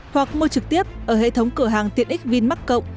hoặc mua trực tiếp ở hệ thống cửa hàng tiện x vinmac cộng